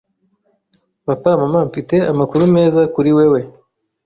Papa! Mama! Mfite amakuru meza kuri wewe!